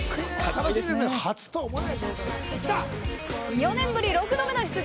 ４年ぶり６度目の出場